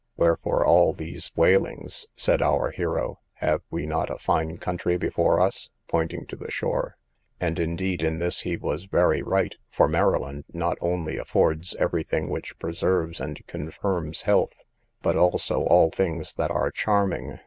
Wherefore all these wailings? said our hero: have we not a fine country before us? pointing to the shore. And indeed in this he was very right, for Maryland not only affords every thing which preserves and confirms health, but also all things that are charming.